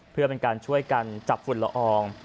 เพื่อเป็นการช่วยกันจับฝุ่นละออง